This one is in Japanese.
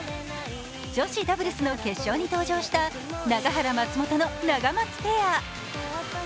女子ダブルスの決勝に登場した永原・松本のナガマツペア。